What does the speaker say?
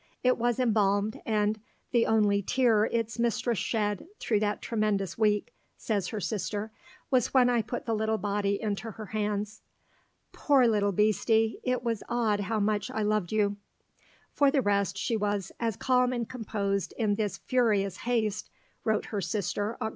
It was embalmed, and "the only tear its mistress shed through that tremendous week," says her sister, "was when I put the little body into her hands. 'Poor little beastie, it was odd how much I loved you.'" For the rest, she was "as calm and composed in this furious haste," wrote her sister (Oct.